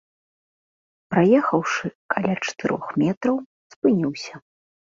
Праехаўшы каля чатырох метраў, спыніўся.